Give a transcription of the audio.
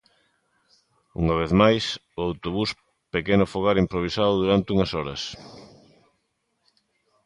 Unha vez máis, o autobús, pequeno fogar improvisado durante unhas horas.